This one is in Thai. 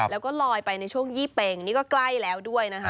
แล้วก็ลอยไปในช่วงยี่เป็งนี่ก็ใกล้แล้วด้วยนะคะ